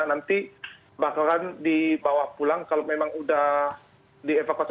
nanti bakalan dibawa pulang kalau memang udah dievacuasi